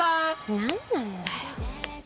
何なんだよ。